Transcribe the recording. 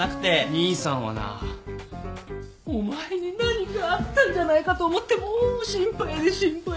兄さんはなお前に何かあったんじゃないかと思ってもう心配で心配で。